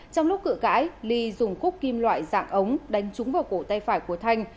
trong lúc cự cãi ly dùng cúp kim loại dạng ống đánh trúng vào cổ tay phải của thanh